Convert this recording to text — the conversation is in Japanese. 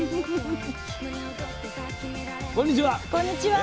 こんにちは。